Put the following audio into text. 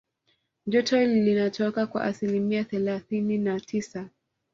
joto linatoka kwa asilimia thelathini na tisa